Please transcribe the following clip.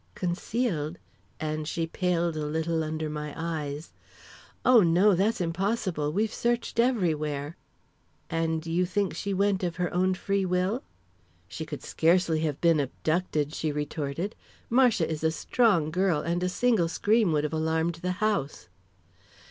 "Concealed?" and she paled a little under my eyes. "Oh, no; that's impossible! We've searched everywhere!" "And you think she went of her own free will?" "She could scarcely have been abducted," she retorted. "Marcia is a strong girl, and a single scream would have alarmed the house."